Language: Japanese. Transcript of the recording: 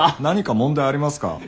何か問題ありますか？